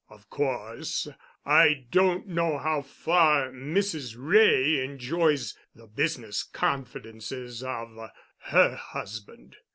Of course, I don't know how far Mrs. Wray enjoys the business confidences of her husband.